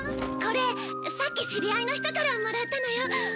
これさっき知り合いの人からもらったのよ。